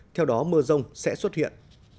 theo đó mưa rông sẽ xuất hiện